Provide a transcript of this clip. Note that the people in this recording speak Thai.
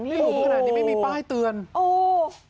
ไม่รู้ขนานนี้ไม่มีป้ายเตือนโอ้โห